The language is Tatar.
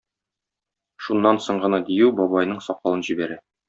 Шуннан соң гына дию бабайның сакалын җибәрә.